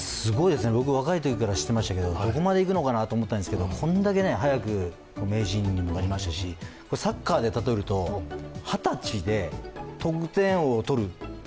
僕、若いときから知ってましたけど、どこまで行くのかなと思ってたんですけど、こんだけ早く名人になりましたしサッカーで例えると、二十歳で得点王を取る